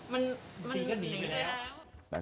มีไปแล้ว